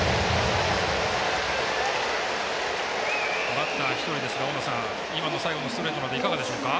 バッター１人ですが、大野さん今の最後のストレート見ていかがでしょうか。